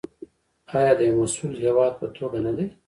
آیا د یو مسوول هیواد په توګه نه دی؟